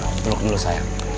yuk belok dulu sayang